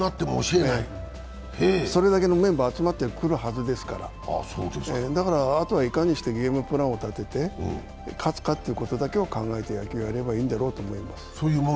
それだけのメンバーが集まってくるはずですからだからあとはいかにしてゲームプランを立てて勝つかということを考えて野球をやればいいんだろうと思います。